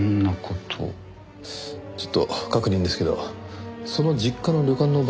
ちょっと確認ですけどその実家の旅館の売却の際